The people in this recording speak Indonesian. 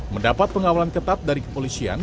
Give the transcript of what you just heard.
mendapat pengawalan ketat dari kepolisian